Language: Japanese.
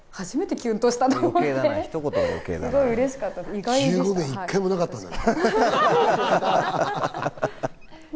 １５年、１回もなかったんだな。